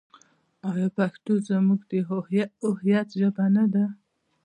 آیا پښتو زموږ د هویت ژبه نه ده؟